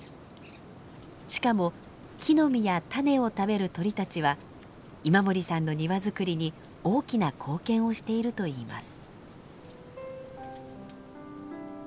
しかも木の実や種を食べる鳥たちは今森さんの庭づくりに大きな貢献をしているといいます。